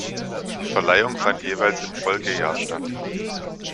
Die Verleihung fand jeweils im Folgejahr statt.